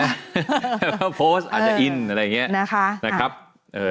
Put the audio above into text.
เพราะว่าโพสต์อาจจะอินอะไรอย่างนี้